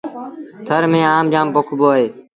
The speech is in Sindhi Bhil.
ٿر ميݩ آم جآم پوکبو اهي۔